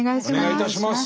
お願いいたします。